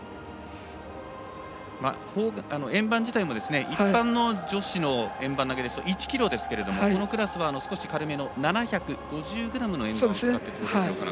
円盤自体も一般の女子の円盤投げですと１ｋｇですけど、このクラスは少し軽めの７５０ｇの円盤を使っていると。